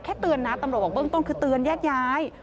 เตือนนะตำรวจบอกเบื้องต้นคือเตือนแยกย้าย